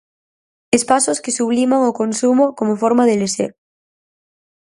Espazos que subliman o consumo como forma de lecer.